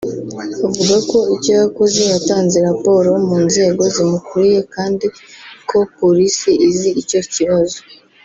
Avuga ko icyo yakoze yatanze raporo mu nzego zimukuriye kandi ko Polisi izi icyo kibazo